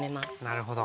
なるほど。